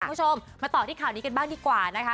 คุณผู้ชมมาต่อที่ข่าวนี้กันบ้างดีกว่านะคะ